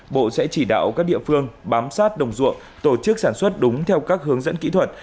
bộ sẽ chỉ đạo các địa phương bám sát đồng ruộng tổ chức sản xuất đúng theo các hướng dẫn kỹ thuật